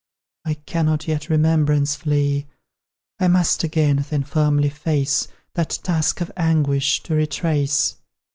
I cannot yet Remembrance flee; I must again, then, firmly face That task of anguish, to retrace.